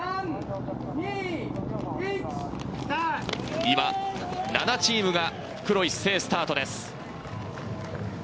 今７チームが復路一斉スタートです。